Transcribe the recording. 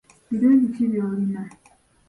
Birungi ki by'olina?